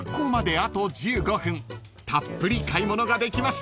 ［たっぷり買い物ができました］